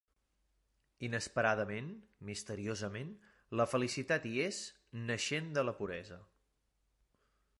Inesperadament, misteriosament, la felicitat hi és, naixent de la puresa.